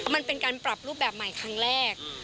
มันเป็นการปรับรูปแบบใหม่ครั้งแรก